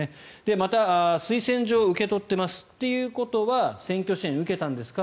また、推薦状を受け取っていますということは選挙支援を受けたんですか？